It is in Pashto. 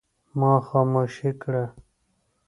ما خوشي کړه ؟